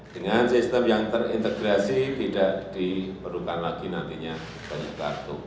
dengan sistem yang terintegrasi tidak diperlukan lagi nantinya banyak kartu